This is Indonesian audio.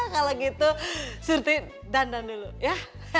kalau gitu surti dandan dulu ya